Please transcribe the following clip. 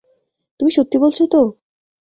তুমি সত্যি বলছো তো?